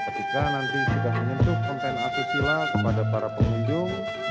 ketika nanti sudah menyentuh konten asusila kepada para pengunjung